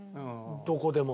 どこでも。